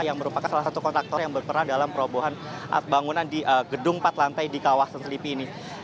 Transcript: yang merupakan salah satu kontraktor yang berperan dalam perobohan bangunan di gedung empat lantai di kawasan selipi ini